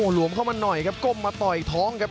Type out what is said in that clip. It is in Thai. หวมเข้ามาหน่อยครับก้มมาต่อยท้องครับ